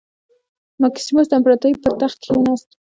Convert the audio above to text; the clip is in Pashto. مکسیموس د امپراتورۍ پر تخت کېناست.